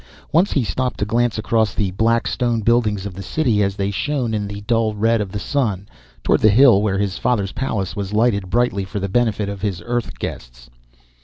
Once he stopped to glance across the black stone buildings of the city as they shone in the dull red of the sun, toward the hill where his father's palace was lighted brightly for the benefit of his Earth guests.